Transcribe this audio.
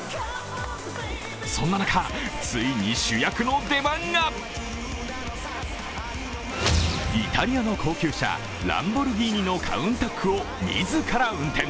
そんな中、ついに主役の出番がイタリアの高級車ランボルギーニのカウンタックを自ら運転。